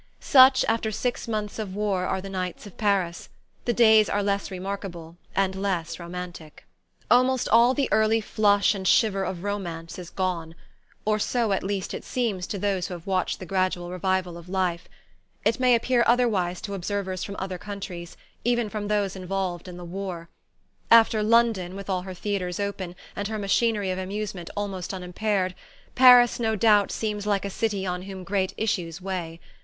Such, after six months of war, are the nights of Paris; the days are less remarkable and less romantic. Almost all the early flush and shiver of romance is gone; or so at least it seems to those who have watched the gradual revival of life. It may appear otherwise to observers from other countries, even from those involved in the war. After London, with all her theaters open, and her machinery of amusement almost unimpaired, Paris no doubt seems like a city on whom great issues weigh.